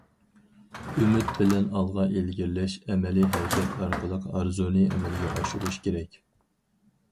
ئۈمىد بىلەن ئالغا ئىلگىرىلەش، ئەمەلىي ھەرىكەت ئارقىلىق ئارزۇنى ئەمەلگە ئاشۇرۇش كېرەك.